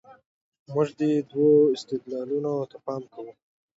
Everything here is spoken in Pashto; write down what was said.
موږ دې دوو استدلالونو ته پام کوو.